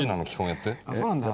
あっそうなんだ。